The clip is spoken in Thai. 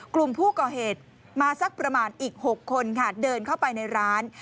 กลุ่มผู้ก่อเหตุมาสักประมาณอีก๖คนค่ะเดินเข้าไปในร้าน